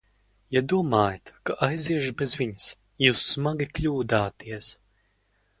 Ja domājat, ka aiziešu bez viņas, jūs smagi kļūdāties!